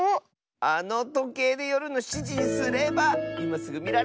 あのとけいでよるの７じにすればいますぐみられるッス！